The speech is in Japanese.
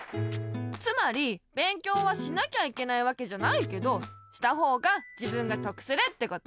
つまり勉強はしなきゃいけないわけじゃないけどしたほうが自分がとくするってこと。